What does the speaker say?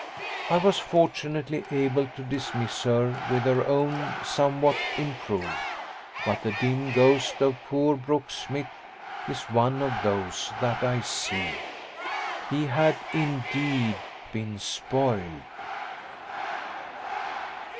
I was fortunately able to dismiss her with her own somewhat improved. But the dim ghost of poor Brooksmith is one of those that I see. He had indeed been spoiled.